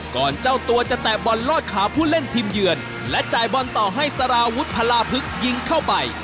เจ้าตัวจะแตะบอลลอดขาผู้เล่นทีมเยือนและจ่ายบอลต่อให้สารวุฒิพลาพึกยิงเข้าไป